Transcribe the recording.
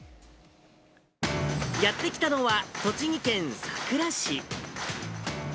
やって来たのは、栃木県さくら市。